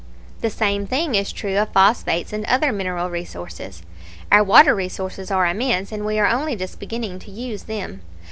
The same thing is true of phosphates and other mineral resources. Our water resources are immense, and we are only just beginning to use them.